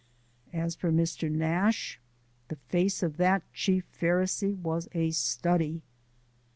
As for Mr. Nash, the face of that Chief Pharisee was a study.